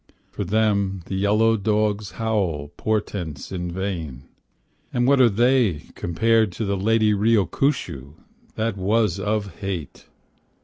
For them the yellow dogs howl portents in vain, And what are they compared to the lady Riokushu, That was cause of hate